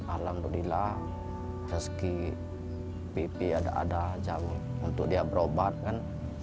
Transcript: alhamdulillah meski pipi ada ada jauh untuk dia berobat kan